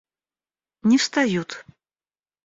Не встают.